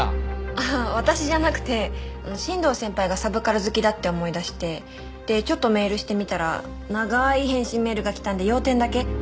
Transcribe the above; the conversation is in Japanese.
ああ私じゃなくて新藤先輩がサブカル好きだって思い出してちょっとメールしてみたら長い返信メールが来たんで要点だけ。